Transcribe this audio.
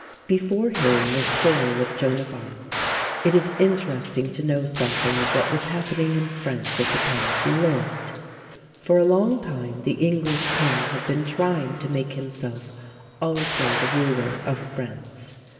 Before hearing the story of Joan of Arc, it is interesting to know something of what was happening in France at the time she lived. For a long time the English king had been trying to make himself also the ruler of France.